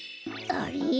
あれ？